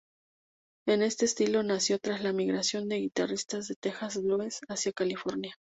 Este estilo nació tras la migración de guitarristas de Texas blues hacia California.